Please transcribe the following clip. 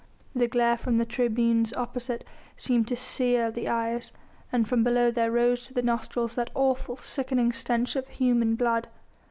The glare from the tribunes opposite seemed to sear the eyes, and from below there rose to the nostrils that awful sickening stench of human blood.